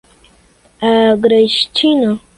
Agrestina